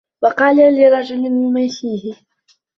وَقَالَ لِرَجُلٍ يُمَاشِيهِ